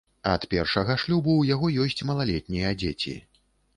Ад першага шлюбу ў яго ёсць малалетнія дзеці.